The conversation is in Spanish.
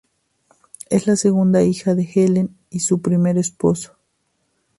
Es la segunda hija de Helen y su primer esposo.